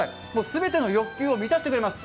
全ての欲求を満たしてくれます。